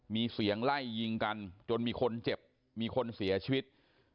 มีเสียงไล่ยิงกันจนมีคนเจ็บมีคนเสียชีวิต